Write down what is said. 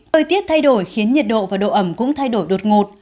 thời tiết thay đổi khiến nhiệt độ và độ ẩm cũng thay đổi đột ngột